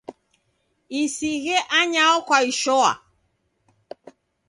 Isighe anyao kwaishoa